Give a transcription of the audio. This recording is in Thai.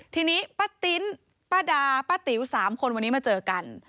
ทีนี้ป้าติ๊นป้าดาป้าติ๋ว๓คนวันนี้มาเจอกัน